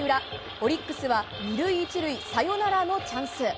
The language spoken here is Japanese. オリックスは２塁１塁、サヨナラのチャンス。